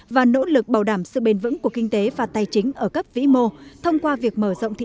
và nỗ lực bảo đảm sự bền vững của kinh tế và tài chính ở cấp vĩ mô thông qua việc mở rộng thị